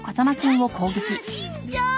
しんちゃん。